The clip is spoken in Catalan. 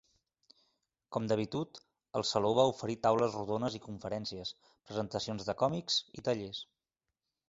Com d'habitud, el Saló va oferir taules rodones i conferències, presentacions de còmics i tallers.